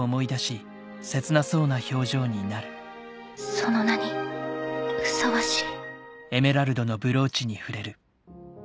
その名にふさわしい。